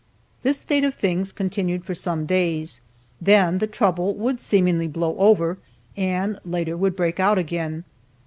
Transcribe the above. This state of things continued for some days, then the trouble would seemingly blow over, and later would break out again.